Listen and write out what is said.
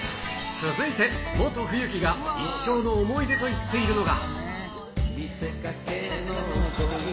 続いて、モト冬樹が一生の思い出と言っているのが。